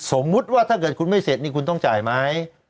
สมมุติว่าถ้าเกิดคุณไม่เสร็จนี่คุณต้องจ่ายไหม